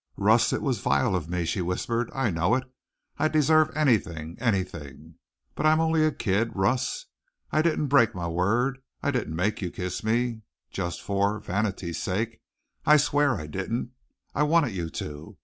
"Russ! It was vile of me," she whispered. "I know it. I deserve anything anything! But I am only a kid. Russ, I didn't break my word I didn't make you kiss me just for, vanity's sake. I swear I didn't. I wanted you to.